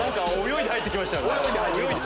泳いで入って来ましたね。